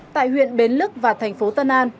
tại huyện bến lức và thành phố tân an